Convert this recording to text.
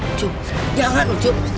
ucup jangan ucup